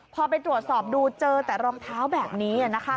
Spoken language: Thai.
พอไปตรวจสอบดูเจอแต่รองเท้าแบบนี้นะคะ